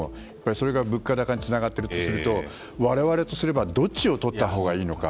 それが物価高につながっているとすると我々とすればどっちを取ったほうがいいのか。